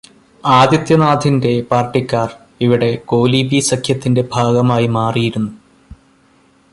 ആദിത്യനാഥിന്റെ പാർട്ടിക്കാർ ഇവിടെ 'കോലീബി' സഖ്യത്തിന്റെ ഭാഗമായി മാറിയിരുന്നു.